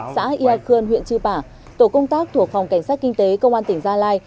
xã yêu khơn huyện chư bả tổ công tác thuộc phòng cảnh sát kinh tế công an tỉnh gia lai